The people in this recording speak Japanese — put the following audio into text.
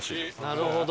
なるほど。